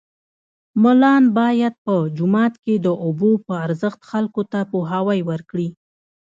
ملان باید په جوماتو کې د اوبو په ارزښت خلکو ته پوهاوی ورکړي